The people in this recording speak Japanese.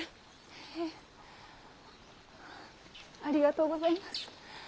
へぇありがとうございます！